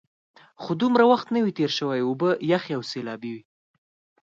خو دومره وخت نه وي تېر شوی، اوبه یخې او سیلابي وې.